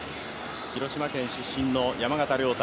広島県出身の山縣亮太。